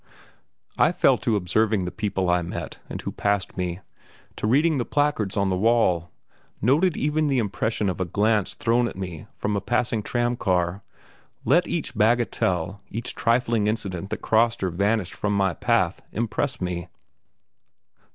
I fell to observing the people I met and who passed me, to reading the placards on the wall, noted even the impression of a glance thrown at me from a passing tram car, let each bagatelle, each trifling incident that crossed or vanished from my path impress me.